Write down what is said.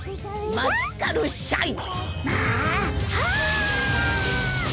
マジカルシャイン！